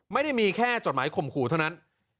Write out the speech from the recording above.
ไม่ได้มีแค่จดหมายข่มขู่เท่านั้น